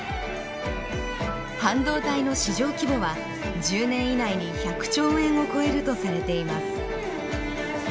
半導体の市場規模は１０年以内に１００兆円を超えるとされています。